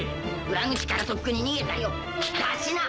裏口からとっくに逃げたよ出しな！